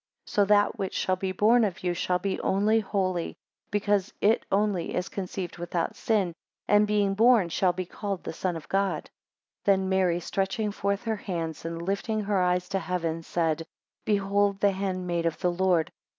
20 So that which shall be born of you shall be only holy, because it only is conceived without sin, and being born, shall be called the Son of God. 21 Then Mary stretching forth her hands, and lifting her eyes to heaven, said, Behold the handmaid of the Lord!